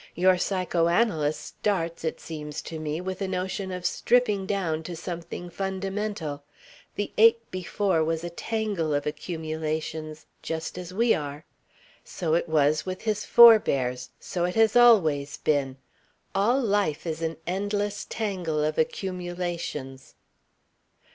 Your psychoanalyst starts, it seems to me, with a notion of stripping down to something fundamental. The ape before was a tangle of accumulations, just as we are. So it was with his forebears. So it has always been. All life is an endless tangle of accumulations."